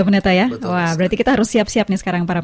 berarti kita harus siap siap nih sekarang